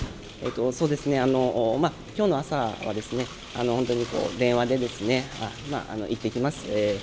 そうですね、きょうの朝はですね、本当に電話でですね、行ってきます、